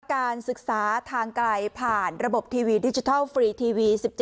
การศึกษาทางไกลผ่านระบบทีวีดิจิทัลฟรีทีวี๑๗